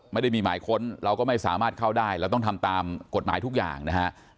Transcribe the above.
ไม่ได้มีหมายค้นเราก็ไม่สามารถเข้าได้เราต้องทำตามกฎหมายทุกอย่างนะฮะ